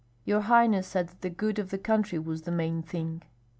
"Your highness said that the good of the country was the main thing."